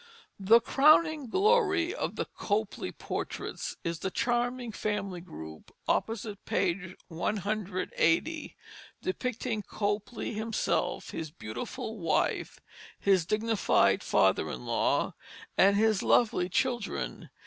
The crowning glory of the Copley portraits is the charming family group opposite page 180, depicting Copley himself, his beautiful wife, his dignified father in law, and his lovely children.